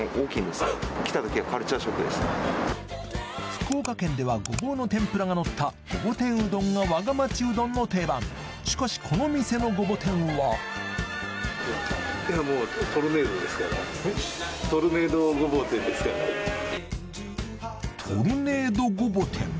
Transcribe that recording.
福岡県ではごぼうの天ぷらがのったごぼ天うどんがわが町うどんの定番しかしこの店のごぼ天はトルネードごぼ天！？